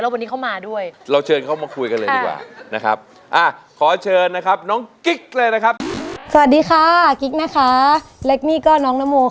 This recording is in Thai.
มันไม่ชิน